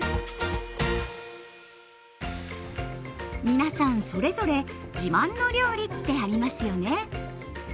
皆さんそれぞれ自慢の料理ってありますよね？